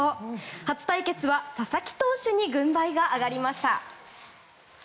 初対決は佐々木投手に軍配が上がりました。